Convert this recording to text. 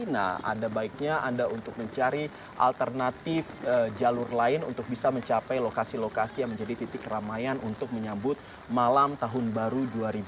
nah ada baiknya anda untuk mencari alternatif jalur lain untuk bisa mencapai lokasi lokasi yang menjadi titik ramaian untuk menyambut malam tahun baru dua ribu dua puluh